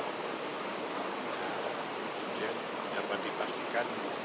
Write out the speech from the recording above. nah kemudian dapat dipastikan